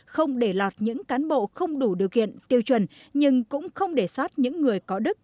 không để lọt những cán bộ không đủ điều kiện tiêu chuẩn nhưng cũng không để sót những người có đức